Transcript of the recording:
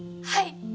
はい！